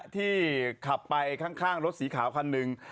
ที่ขับไปข้างรถสีขาวคันหนึ่ง